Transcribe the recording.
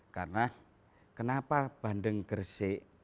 karena kenapa bandeng gresik